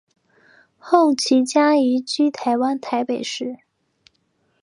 后其家移居台湾台北市。